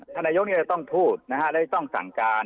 ท่านนายกจะต้องพูดนะฮะและจะต้องสั่งการ